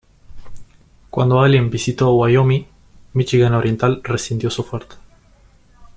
Cuando Allen visitó Wyoming, Míchigan Oriental rescindió su oferta.